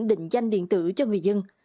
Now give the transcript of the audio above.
định danh điện tử cho người dân